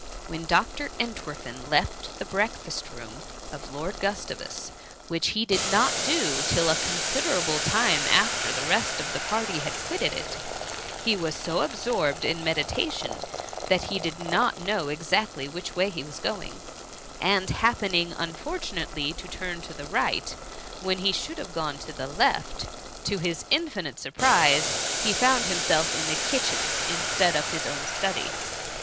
When Dr. Entwerfen left the breakfast room of Lord Gustavus, which he did not do till a considerable time after the rest of the party had quitted it, he was so absorbed in meditation that he did not know exactly which way he was going ; and, happening unfortunately to turn to the right when he should have gone to the left, to his infinite surprise he found himself in the kitchen^ instead of his own study.